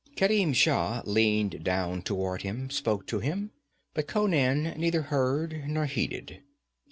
Kerim Shah leaned down toward him, spoke to him, but Conan neither heard nor heeded.